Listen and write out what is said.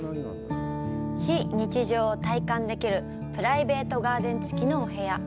非日常を体感できるプライベートガーデン付きのお部屋。